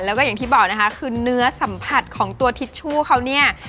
แล้วก็อย่างที่บอกนะคะคือเนื้อสัมผัสของตัวทิชชู่เขาเนี่ย